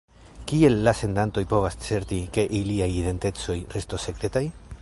Kiel la sendantoj povas certi, ke iliaj identecoj restos sekretaj?